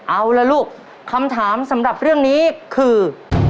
เอาล่ะลูกคำถามสำหรับเรื่องนี้คือ